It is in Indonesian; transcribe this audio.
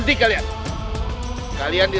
tidak akan kutip kaki